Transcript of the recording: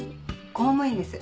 公務員です。